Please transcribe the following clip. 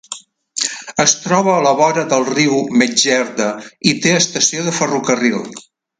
Es troba a la vora del riu Medjerda i té estació de ferrocarril.